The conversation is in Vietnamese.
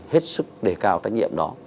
hết sức để cao trách nhiệm đó